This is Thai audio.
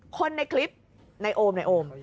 คนในคลิปนายโอมนายโอม